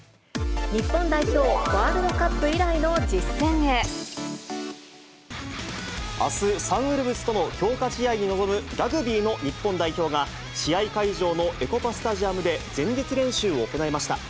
日本代表、あす、サンウルブズとの強化試合に臨むラグビーの日本代表が、試合会場のエコパスタジアムで、前日練習を行いました。